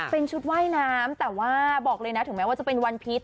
เป็นชุดว่ายน้ำแต่ว่าบอกเลยนะถึงแม้ว่าจะเป็นวันพีช